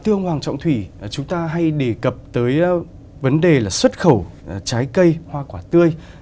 thưa ông hoàng trọng thủy chúng ta hay đề cập tới vấn đề là xuất khẩu trái cây hoa quả tươi